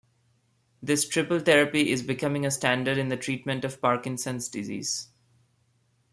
This "triple therapy" is becoming a standard in the treatment of Parkinson's disease.